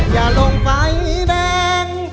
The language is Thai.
อย่าลงไฟแดง